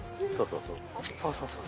うそうそう。